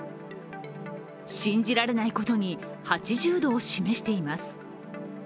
信じられないことに８０度を示しています。